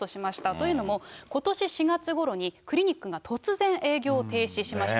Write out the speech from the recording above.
というのも、ことし４月ごろにクリニックが突然営業を停止しました。